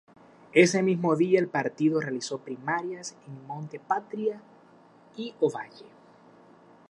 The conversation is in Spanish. Ese mismo día el partido realizó primarias en Monte Patria y Ovalle.